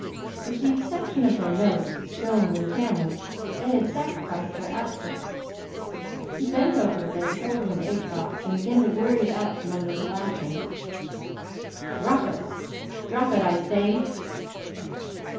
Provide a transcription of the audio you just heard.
With the exception of their notes, films, and cameras, they had sacrificed their outfit. He bent over, laid hold of an egg box, and began to worry it out from under the lashing. "Drop it! Drop it, I say!"